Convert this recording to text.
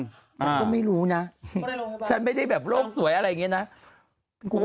ตอนนั้นก็ไม่รู้นะเยค่อนไม่ใช่แบบโรคสวยอะไรอย่างงี้หรือ